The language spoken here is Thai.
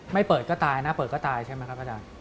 ไม่เปิดก็ตายนะเปิดก็ตายใช่ไหมครับอาจารย์